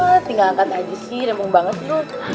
wah tinggal angkat aja sih remung banget lo